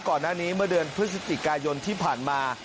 ก่อนหน้านี้เมื่อเดือนพฤศจิกายนที่ผ่านมา